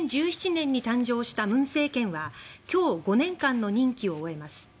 ２０１７年に誕生した文政権は今日、５年間の任期を終えます。